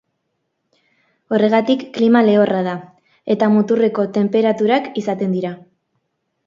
Horregatik klima lehorra da, eta muturreko tenperaturak izaten dira.